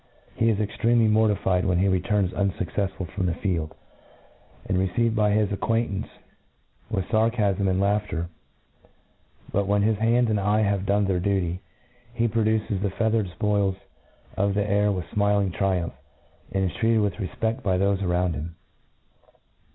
He is extremely mortified when he returns unfuccdsful from the field, and received by his acquaintance with farcafm and laughter j but, when his hand and eye' have don^ their duty, he prcWuces the feathered fpoils of the air with fmiling triumph, and is treated with refpeft by thofe around him.